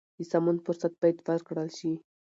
د سمون فرصت باید ورکړل شي.